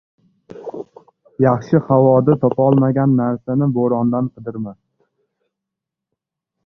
• Yaxshi havoda topolmagan narsangni bo‘rondan qidirma.